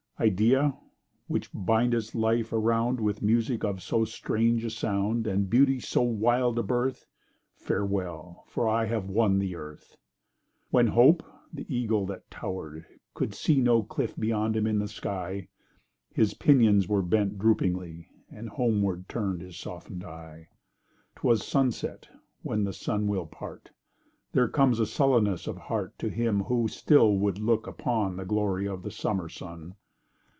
Idea! which bindest life around With music of so strange a sound And beauty of so wild a birth— Farewell! for I have won the Earth! When Hope, the eagle that tower'd, could see No cliff beyond him in the sky, His pinions were bent droopingly— And homeward turn'd his soften'd eye. 'Twas sunset: when the sun will part There comes a sullenness of heart To him who still would look upon The glory of the summer sun.